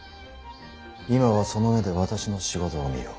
今はその目で私の仕事を見よ。